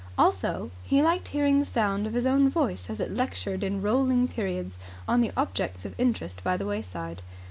Also he liked hearing the sound of his own voice as it lectured in rolling periods on the objects of interest by the way side.